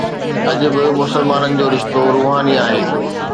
اڄ به مسلمانن جو رشتو روحاني آهي.